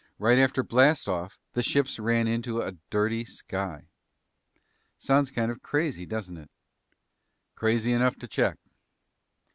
Right after blast off, the ships ran into a dirty sky." "Sounds kind of crazy, doesn't it?" "Crazy enough to check."